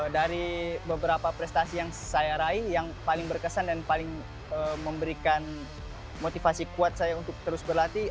dari beberapa prestasi yang saya raih yang paling berkesan dan paling memberikan motivasi kuat saya untuk terus berlatih